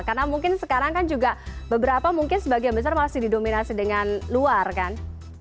karena mungkin sekarang kan juga beberapa mungkin sebagai investor masih didominasi dengan luar kan